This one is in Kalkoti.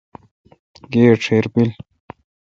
گائی ڄیر پل۔